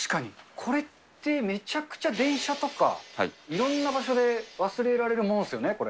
これってめちゃくちゃ電車とか、いろんな場所で忘れられるものですよね、これ。